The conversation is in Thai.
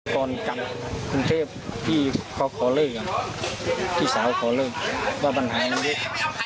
ก่อนกลับกรรมคุณเทพพี่ขอเลิกกันพี่สาวขอเลิกกับปัญหาอังกฤษ